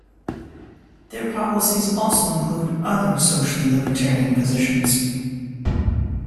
Their policies also include other socially libertarian positions.